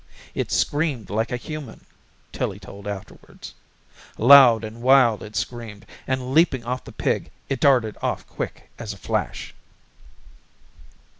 It screamed like a human, Tillie told afterwards. Loud and wild it screamed, and leaping off the pig it darted off quick as a flash.